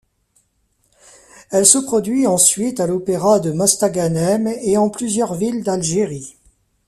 Elle se produit ensuite à l'Opéra de Mostaganem et en plusieurs villes d'Algérie.